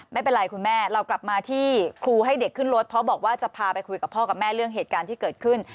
ไม่เป็นไรคุณแม่เรากลับมาที่ครูให้เด็กขึ้นรถเพราะบอกว่าจะพาไปคุยกับพ่อกับแม่เรื่องเหตุการณ์ที่เกิดขึ้น